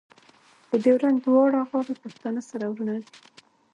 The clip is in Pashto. د ډیورنډ دواړه غاړې پښتانه سره ورونه دي.